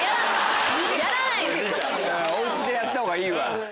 お家でやったほうがいい。